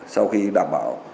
sau khi đảm bảo